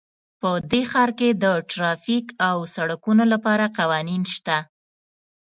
په دې ښار کې د ټرافیک او سړکونو لپاره قوانین شته